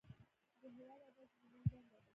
د هیواد ابادي زموږ دنده ده